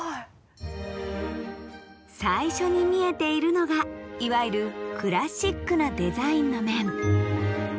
最初に見えているのがいわゆるクラシックなデザインの面。